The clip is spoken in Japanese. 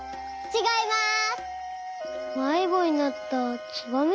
ちがいます。